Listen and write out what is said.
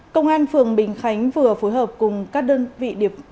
công an phường bình khánh vừa phối hợp cùng các đơn vị điệp